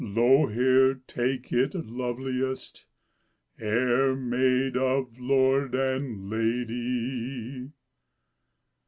Lo, here, take it, loveliest E'er made of lord and lady!"